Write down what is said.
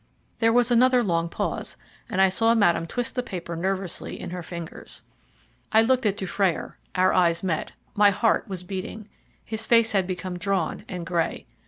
There was another long pause, and I saw Madame twist the paper nervously in her fingers. I looked at Dufrayer, our eyes met. My heart was beating. His face had become drawn and grey.